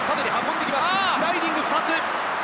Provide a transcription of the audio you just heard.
スライディング！